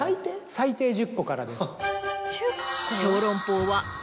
最低１０個からです。